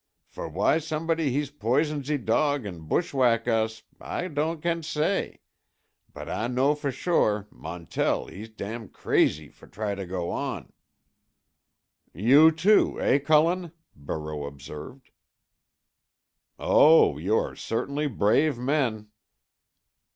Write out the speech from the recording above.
For why som'body hees poison ze dog an' bushwhack us Ah don' can say; but Ah know for sure Montell hees dam' crazee for try to go on." "You, too, eh, Cullen?" Barreau observed. "Oh, you are certainly brave men."